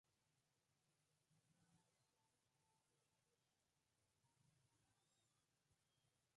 El Estado de partido único se introdujo a partir de estas elecciones en Zambia.